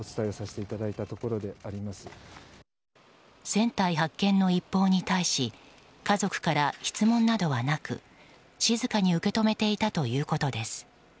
船体発見の一報に対し家族から質問などはなく静かに受け止めていたということです。